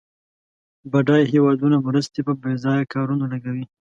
بډایه هېوادونه مرستې په بیځایه کارونو لګوي.